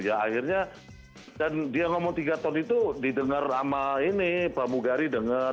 ya akhirnya dan dia ngomong tiga ton itu didengar sama ini pak mugari dengar